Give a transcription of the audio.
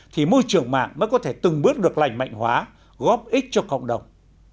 thì môi trường mạng mới có thể từng bước được lành mạnh hóa góp ích cho cộng đồng